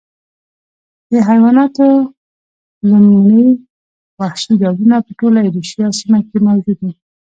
د حیواناتو لومړي وحشي ډولونه په ټوله ایرویشیا سیمه کې موجود و